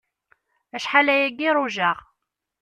Acḥal ayagi i rujaɣ.